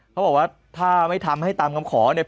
เขาบอกว่าถ้าไม่ทำให้ตามคำขอเนี่ย